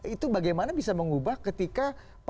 itu bagaimana bisa mengubah ketika